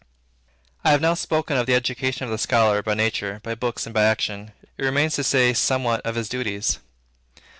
I have now spoken of the education of the scholar by nature, by books, and by action. It remains to say somewhat of his duties.